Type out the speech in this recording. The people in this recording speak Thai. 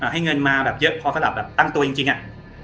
ให้เงินมาเยอะพ่อข้าตังตัวจริงฮะ